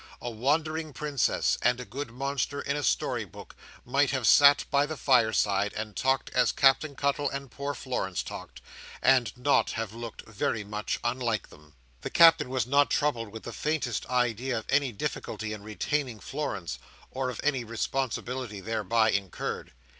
A wandering princess and a good monster in a storybook might have sat by the fireside, and talked as Captain Cuttle and poor Florence talked—and not have looked very much unlike them. The Captain was not troubled with the faintest idea of any difficulty in retaining Florence, or of any responsibility thereby incurred.